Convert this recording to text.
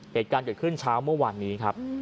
เหตุการณ์เกิดขึ้นเช้าเมื่อวานนี้ครับ